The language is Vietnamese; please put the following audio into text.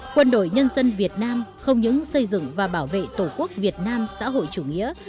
quân đội nhân dân việt nam không những xây dựng và bảo vệ tổ quốc việt nam xã hội chủ nghĩa